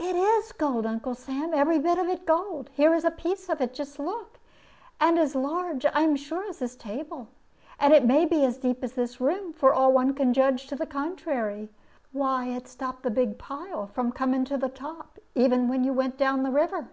"It is gold, Uncle Sam, every bit of it gold here is a piece of it; just look and as large, I am sure, as this table. And it may be as deep as this room, for all that one can judge to the contrary. Why, it stopped the big pile from coming to the top, when even you went down the river."